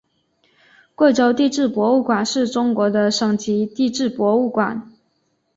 贵州地质博物馆是中国的省级地质博物馆。